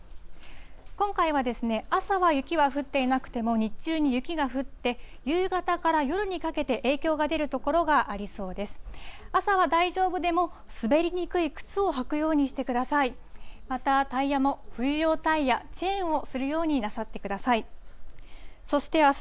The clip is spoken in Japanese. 今回は朝は雪は降っていなくても日中に雪が降って、夕方から夜にかけて、影響が出る所がありそうです。